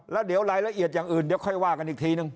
แล้วเดี๋ยวรายละเอียดอย่างอื่นเดี๋ยวค่อยว่ากันอีกทีนึง